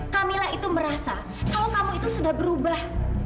kamilah itu merasa kalau kamu itu sudah berubah